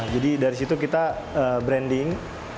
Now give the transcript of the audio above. jadi dari situ kita bisa mencari barang yang lebih baik